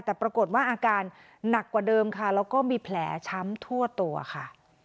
แต่ปรากฏว่าอาการหนักกว่าเดิมค่ะแล้วก็มีแผลช้ำทั่วตัวค่ะ